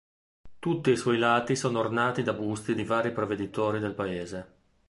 Tutti i suoi lati sono ornati da busti di vari provveditori del paese.